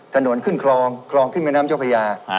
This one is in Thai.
ถนนขึ้นคลองคลองขึ้นแม่น้ำเจ้าพญา